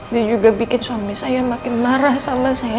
dia juga bikin suami saya makin marah sama saya